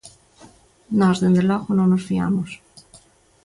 Nós, dende logo, non nos fiamos.